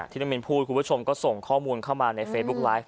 น้องมินพูดคุณผู้ชมก็ส่งข้อมูลเข้ามาในเฟซบุ๊คไลฟ์